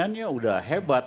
sebenarnya udah hebat